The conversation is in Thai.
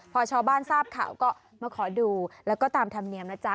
พอชาวบ้านทราบข่าวก็มาขอดูแล้วก็ตามธรรมเนียมนะจ๊ะ